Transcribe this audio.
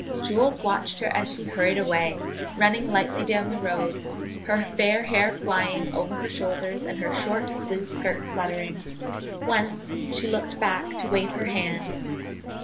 Jules watched her as she hurried away, running lightly down the road, her fair hair flying over her shoulders and her short blue skirt fluttering. Once she looked back to wave her hand.